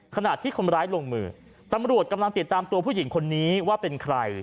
ขณะที่คนร้ายลงมือตำรวจกำลังติดตามตัวผู้หญิงคนนี้ว่าเป็นใคร